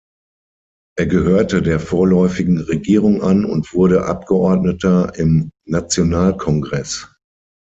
Er gehörte der vorläufigen Regierung an und wurde Abgeordneter im Nationalkongress.